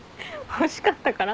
欲しかったから？